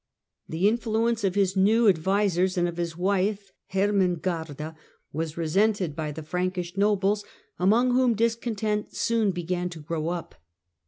The influence of his new ad visers and of his wife Hermengarda was resented by the Frankish nobles, among whom discontent soon began to grow up.